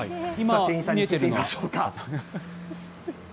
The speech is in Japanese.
店員さんに聞いてみましょうか。